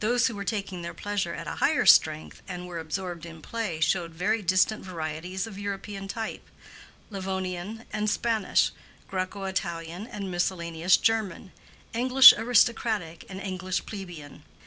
Those who were taking their pleasure at a higher strength, and were absorbed in play, showed very distant varieties of European type: Livonian and Spanish, Graeco Italian and miscellaneous German, English aristocratic and English plebeian.